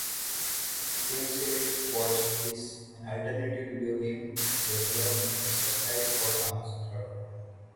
GameSetWatch is an alternative video game weblog and sister site of Gamasutra dot com.